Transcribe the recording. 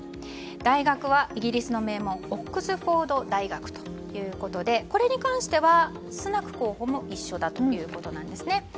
大学はイギリスの名門オックスフォード大学でこれに関しては、スナク候補も一緒だということです。